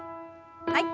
はい。